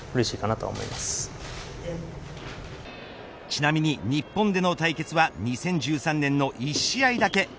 ちなみに日本での対決は２０１３年の１試合だけ。